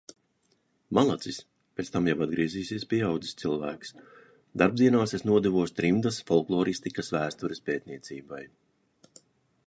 Malacis! Pēc tam jau atgriezīsies pieaudzis cilvēks. Darbdienās es nodevos trimdas folkloristikas vēstures pētniecībai.